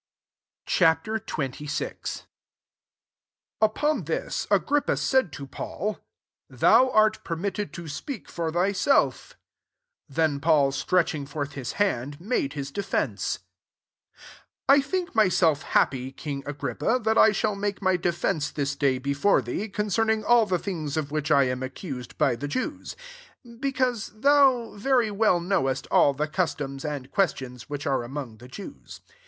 Ch. XXVI. 1 Upon this Agrippa said to Paul, "Thou Mt permitted to speak for tby Klt" Then Paul stretching brth hi§ hand, made his defence: 2 <* I think myself happy, king Agrippa, thfTt I shall make my defence this day before thee, concerning all the things of which I am accused by the Jew^ : 3 because thou very well knowest all the customs tmd questions which are among the Jews.